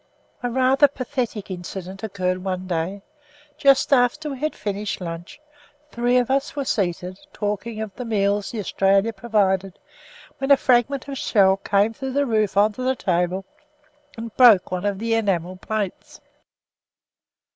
A rather pathetic incident occurred one day. Just after we had finished lunch three of us were seated, talking of the meals the "Australia" provided, when a fragment of shell came through the roof on to the table and broke one of the enamel plates.